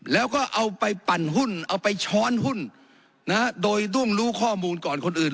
แล้วก็เอาไปปั่นหุ้นเอาไปช้อนหุ้นโดยต้องรู้ข้อมูลก่อนคนอื่น